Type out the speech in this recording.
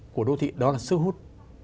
của đô thị đó là sư hút